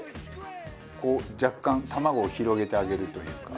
こう若干卵を広げてあげるというか。